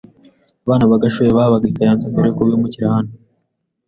Abana ba Gashuhe babaga i Kayonza mbere yuko bimukira hano